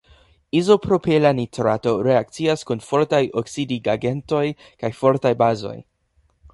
Izopropila nitrato reakcias kun fortaj oksidigagentoj kaj fortaj bazoj.